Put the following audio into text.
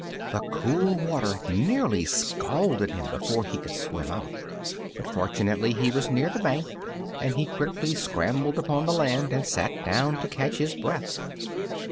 The cool water nearly scalded him before he could swim out, but fortunately he was near the bank and he quickly scrambled upon the land and sat down to catch his breath.